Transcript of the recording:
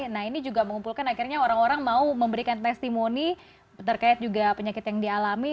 nah ini juga mengumpulkan akhirnya orang orang mau memberikan testimoni terkait juga penyakit yang dialami